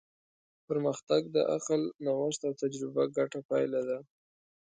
پرمختګ د عقل، نوښت او تجربه ګډه پایله ده.